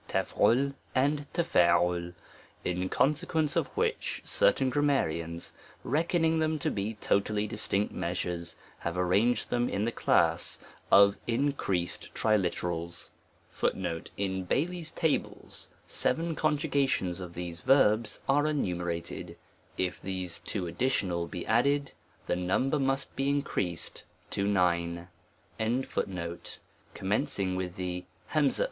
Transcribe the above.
J*ij* and Jcl3 ; in consequence of which, cer tain grammarians, reckoning them to be totally distinct measures, have arranged them in the class of increased triliterals,* commencing with the I * In BAT LITE'S Tables, seven conjugations of thpso verbs arc enumerated, if these two additional be added the number must be increased to nine. G OO A TREATISE ON THE .